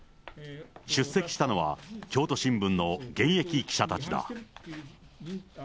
出席したのは、京都新聞の現役記者たちだ。